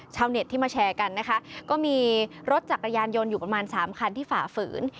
เน็ตที่มาแชร์กันนะคะก็มีรถจักรยานยนต์อยู่ประมาณสามคันที่ฝ่าฝืน